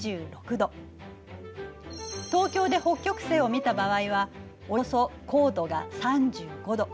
東京で北極星を見た場合はおよそ高度が３５度。